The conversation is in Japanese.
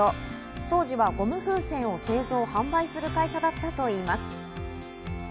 当時はゴム風船を製造販売する会社だったといいます。